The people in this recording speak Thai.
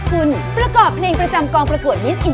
แต่เราก็โฆลกับกันติดใจของคณะกรรมการ